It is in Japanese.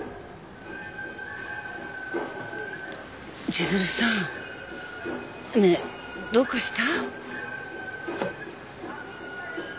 ・千鶴さんねえどうかした？